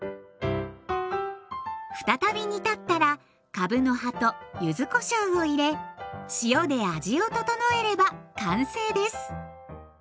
再び煮立ったらかぶの葉と柚子こしょうを入れ塩で味を調えれば完成です。